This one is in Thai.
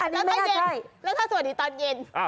แล้วถ้าสวัสดีตอนเย็น